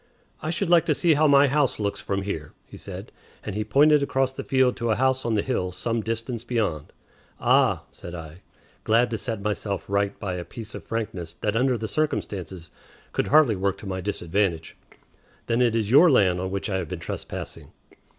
"I should like to see how my house looks from here," he said; and he pointed across the field to a house on the hill some distance beyond. "Ah," said I, glad to set myself right by a piece of frankness that under the circumstances could hardly work to my disadvantage; "then it is your land on which I have been trespassing."